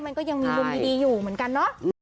มันก็ยังมีมุมดีอยู่เหมือนกันเนาะ